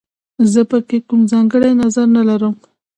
زه په کې کوم ځانګړی نظر نه لرم